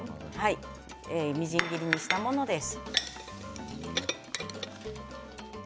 みじん切りにしたものです。